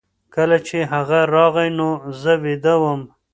کله چې هغه راغی نو زه ویده وم.